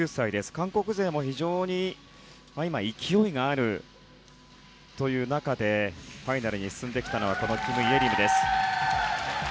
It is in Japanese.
韓国勢も非常に今、勢いがあるという中でファイナルに進んできたキム・イェリムです。